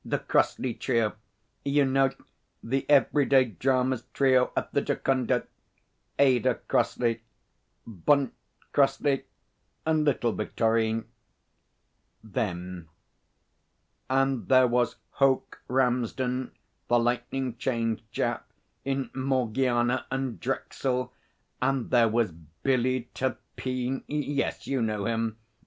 the Crossleigh Trio. You know the Every Day Dramas Trio at the Jocunda Ada Crossleigh, "Bunt" Crossleigh, and little Victorine? Them. And there was Hoke Ramsden, the lightning change chap in Morgiana and Drexel and there was Billy Turpeen. Yes, you know him!